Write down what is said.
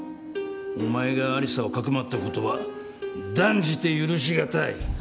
お前が有沙をかくまったことは断じて許しがたい。